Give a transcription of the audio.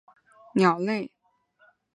西域山雀为山雀科山雀属的鸟类。